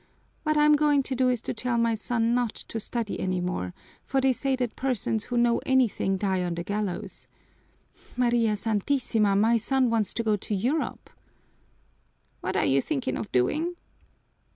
What I'm going to do is to tell my son not to study any more, for they say that persons who know anything die on the gallows. María Santísima, my son wants to go to Europe!" "What are you thinking of doing?"